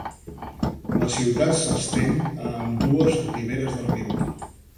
La ciutat s'estén a ambdues riberes del riu.